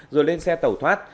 rồi lên xe tẩu thoát